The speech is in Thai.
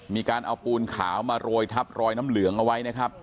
มีการเอาปูนขาวมาโรยทับรอยน้ำเหลืองเอาไว้นะครับ